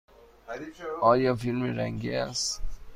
آیا فیلم رنگی است؟